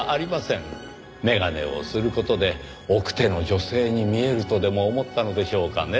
眼鏡をする事で奥手の女性に見えるとでも思ったのでしょうかねぇ？